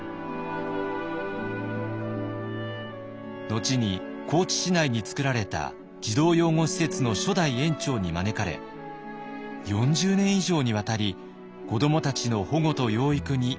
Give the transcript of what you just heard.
後に高知市内に作られた児童養護施設の初代園長に招かれ４０年以上にわたり子どもたちの保護と養育に尽力しました。